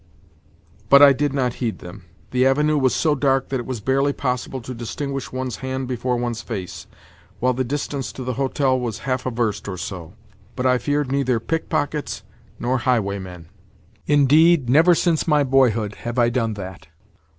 But I did not heed them. The Avenue was so dark that it was barely possible to distinguish one's hand before one's face, while the distance to the hotel was half a verst or so; but I feared neither pickpockets nor highwaymen. Indeed, never since my boyhood have I done that.